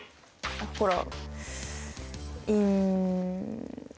ほら。